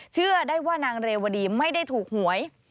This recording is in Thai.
เชื่อได้ว่านางเรวดีไม่ได้ถูกหวย